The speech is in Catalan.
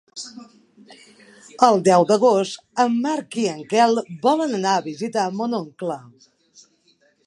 El deu d'agost en Marc i en Quel volen anar a visitar mon oncle.